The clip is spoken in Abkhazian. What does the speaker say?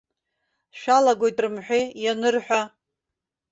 Шәалаагоит рымҳәеи, ианырҳәа.